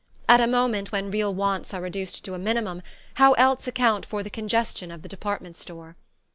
At a moment when real wants are reduced to a minimum, how else account for the congestion of the department store?